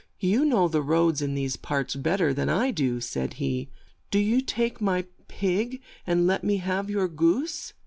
"You know the roads in these parts bet ter than I do," said he. "Do you take my pig and let me have your goose."